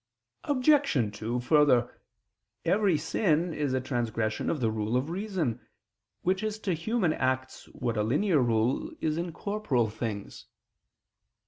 Obj. 2: Further, every sin is a transgression of the rule of reason, which is to human acts what a linear rule is in corporeal things.